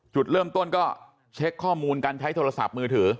จุดเริ่มต้นก็เช็คข้อมูลการใช้โทรศัพท์มือถือ